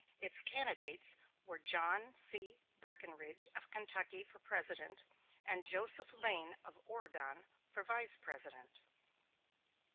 Its candidates were John C. Breckinridge of Kentucky for President, and Joseph Lane of Oregon for Vice President.